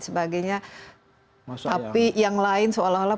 sebagainya tapi yang lain seolah olah